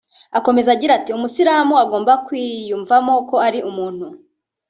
Akomeza agira ati “Umusilamu agomba kwiyumvamo ko ari umuntu